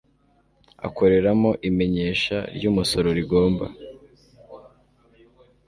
akoreramo imenyesha ry umusoro rigomba